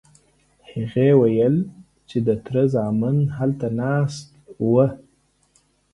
هغې وویل چې د تره زامن هلته ناست وو.